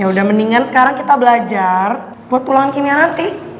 ya udah mendingan sekarang kita belajar buat tulang kimia nanti